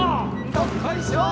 どっこいしょー